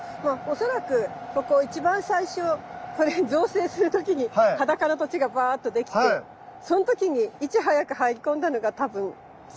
恐らくここ一番最初これ造成する時に裸の土地がバーッとできてその時にいち早く入り込んだのが多分スギナ。